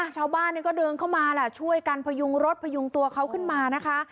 ชาวบ้านก็เดินเข้ามาแหละช่วยกันพยุงรถพยุงตัวเขาขึ้นมานะคะ